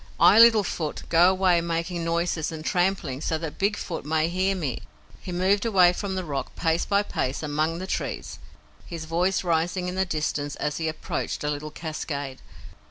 I, Little Foot, go away making noises and tramplings so that Big Foot may hear me." He moved away from the rock pace by pace among the trees, his voice rising in the distance as he approached a little cascade.